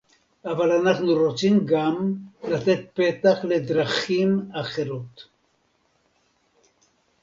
אבל אנחנו רוצים גם לתת פתח לדרכים אחרות